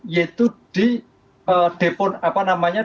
yaitu di depon apa namanya